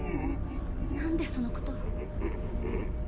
なんでそのことを。